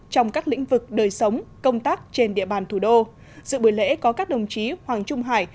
trong các lĩnh vực đời sống công tác trên địa bàn thủ đô dự buổi lễ có các đồng chí hoàng trung hải